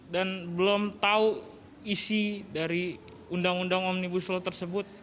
dan belum tau isi dari undang undang omnibus law tersebut